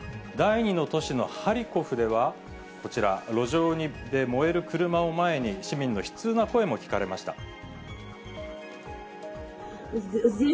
第２の都市のハリコフでは、こちら、路上で燃える車を前に、市民の悲痛な声も聞かれました。